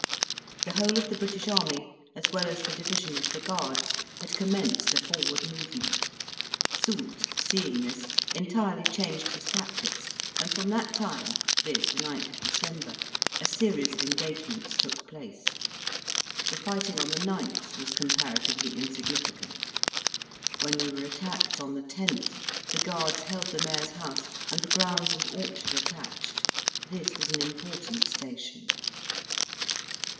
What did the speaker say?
The whole of the British army, as well as the division of the Guards, had commenced a forward movement. Soult, seeing this, entirely changed his tactics, and from that time, viz. the 9th of December, a series of engagements took place. The fighting on the 9th was comparatively insignificant. When we were attacked on the 10th, the Guards held the mayor's house, and the grounds and orchards attached: this was an important station.